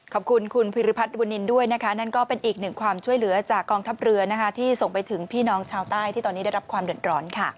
ขอบคุณคุณพิริพัฒนบุญนินด้วยนะคะนั่นก็เป็นอีกหนึ่งความช่วยเหลือจากกองทัพเรือที่ส่งไปถึงพี่น้องชาวใต้ที่ตอนนี้ได้รับความเดือดร้อนค่ะ